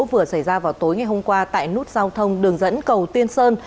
vừa xảy ra vào tối ngày hôm qua tại nút giao thông đường dẫn cầu tiên sơn